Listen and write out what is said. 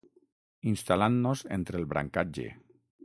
Instal·lant-nos entre el brancatge.